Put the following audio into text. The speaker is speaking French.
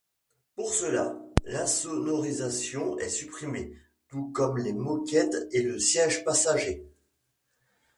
Pour cela, l'insonorisation est supprimée, tout comme les moquettes et le siège passager.